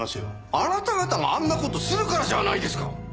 あなた方があんな事するからじゃないですか。